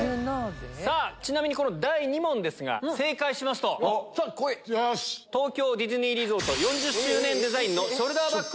さぁちなみに第２問ですが正解しますと東京ディズニーリゾート４０周年デザインの。